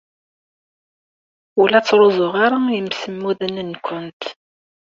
Ur la ttruẓuɣ ara imsemmuden-nwent.